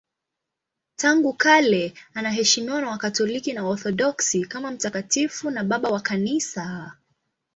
Tangu kale anaheshimiwa na Wakatoliki na Waorthodoksi kama mtakatifu na Baba wa Kanisa.